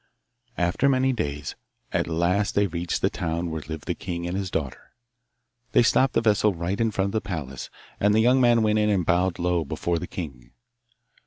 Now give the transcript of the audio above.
After many days, at last they reached the town where lived the king and his daughter. They stopped the vessel right in front of the palace, and the young man went in and bowed low before the king.